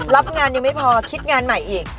รับงานยังไม่พอคิดงานใหม่อีก